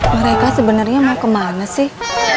mereka sebenarnya mau kemana sih